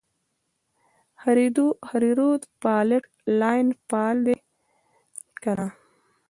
هریرود فالټ لاین فعال دی که نه؟